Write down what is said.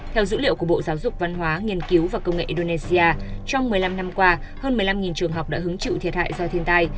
theo dữ liệu của bộ giáo dục văn hóa nghiên cứu và công nghệ indonesia trong một mươi năm năm qua hơn một mươi năm trường học đã hứng chịu thiệt hại do thiên tai